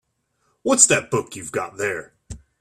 What's that book you've got there?